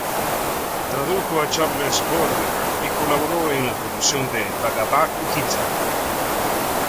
Tradujo a Charles Baudelaire y colaboró en la traducción del Bhagavad-gītā.